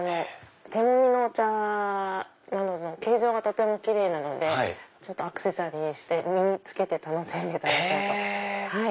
手もみのお茶などの形状がとても奇麗なのでアクセサリーにして身に着けて楽しめたらと。